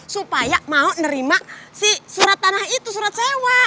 supaya mau nerima si surat tanah itu surat sewa